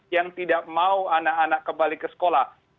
yang tidak mau anak anak kembali ke sekolah